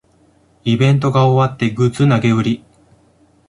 イベントが終わってグッズ投げ売り